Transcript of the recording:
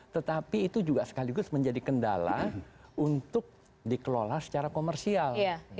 tetapi itu juga sekaligus menjadi kendala untuk dikelola secara komersial